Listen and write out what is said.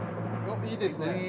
いいですね。